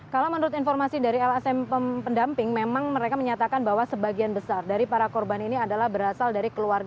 kalau menurut informasi dari lsm pendamping memang mereka menyatakan bahwa sebagian besar dari para korban ini adalah berasal dari keluarga